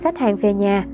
xách hàng về nhà